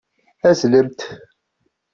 Azzlemt!